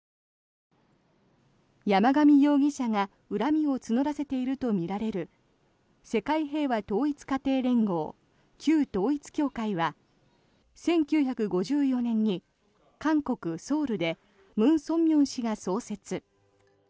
山上容疑者が恨みを募らせているとみられる世界平和統一家庭連合旧統一教会は１９５４年に韓国ソウルでムン・ソンミョン氏が創設。